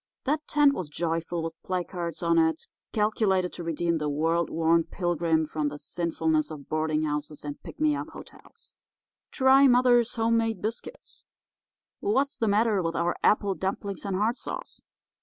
That tent was joyful with placards on it calculated to redeem the world worn pilgrim from the sinfulness of boarding houses and pick me up hotels. 'Try Mother's Home Made Biscuits,' 'What's the Matter with Our Apple Dumplings and Hard Sauce?